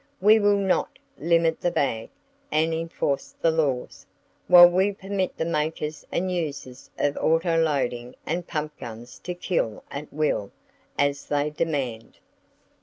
We will not "limit the bag, and enforce the laws," while we permit the makers and users of autoloading and pump guns to kill at will, as they demand.